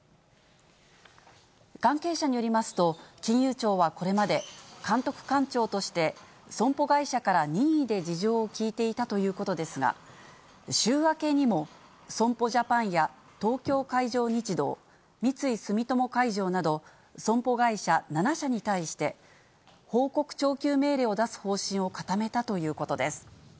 関係者によりますと、金融庁はこれまで、監督官庁として、損保会社から任意で事情を聞いていたということですが、週明けにも、損保ジャパンや東京海上日動、三井住友海上など、損保会社７社に対して、報告徴求命令を出す方針を固めたということです。